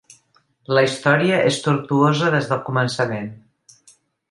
La història és tortuosa des del començament.